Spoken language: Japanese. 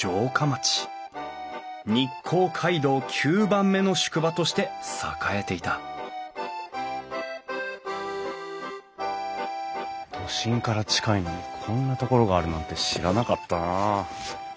日光街道９番目の宿場として栄えていた都心から近いのにこんな所があるなんて知らなかったなあ。